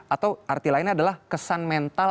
atau arti lainnya adalah kesan mental